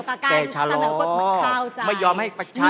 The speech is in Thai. ไม่ได้เกี่ยวกับการสนับกฎมันเข้าใจ